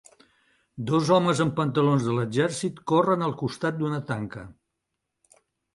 Dos homes amb pantalons de l'exèrcit corren al costat d'una tanca.